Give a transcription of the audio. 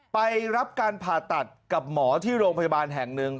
ไปรับการผ่าตัดกับหมอที่โรงพยาบาลแห่งหนึ่ง